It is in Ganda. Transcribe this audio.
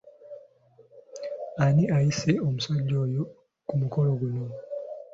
Ana ayise omusajja oyo ku mukolo guno?